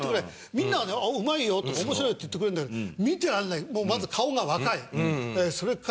みんなはねうまいよとか面白いって言ってくれるんだけど見てられない。